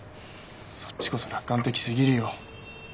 そっちこそ楽観的すぎるよ。